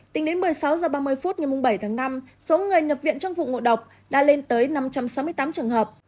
tính đến một mươi sáu h ba mươi phút ngày bảy tháng năm số người nhập viện trong vụ ngộ độc đã lên tới năm trăm sáu mươi tám trường hợp